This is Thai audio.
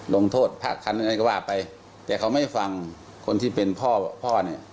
ลงโทษภาคคันอะไรก็ว่าไปแต่เขาไม่ฟังคนที่เป็นพ่อพ่อเนี่ย